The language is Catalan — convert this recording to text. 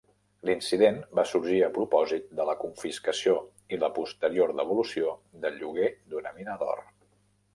L'incident va sorgir a propòsit de la confiscació i la posterior devolució del lloguer d'una mina d'or.